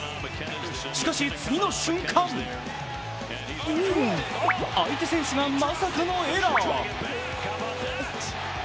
しかし次の瞬間、相手選手がまさかのエラー。